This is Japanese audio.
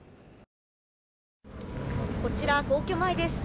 こちら、皇居前です。